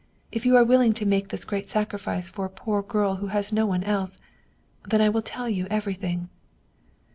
If you are willing to make this great sacrifice for a poor girl who has no one else, then I will tell you everything."